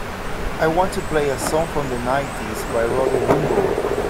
I want to play a song from the nineties by Roddy Woomble